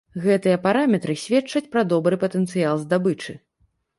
Гэтыя параметры сведчаць пра добры патэнцыял здабычы.